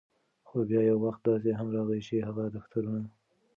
خو بیا یو وخت داسې هم راغے، چې هغه دفترونه